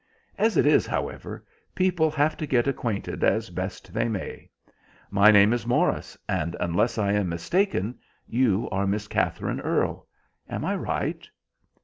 As it is, however, people have to get acquainted as best they may. My name is Morris, and, unless I am mistaken, you are Miss Katherine Earle. Am I right?"